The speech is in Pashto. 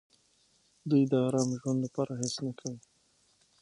دوی د ارام ژوند لپاره هېڅ نه کوي.